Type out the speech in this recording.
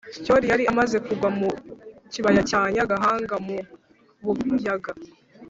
Syoli yari amaze kugwa mu ishyamba rya Nyagahanga mu Buyaga